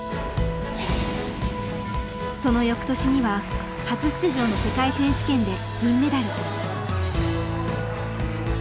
その翌年には初出場の世界選手権で銀メダル。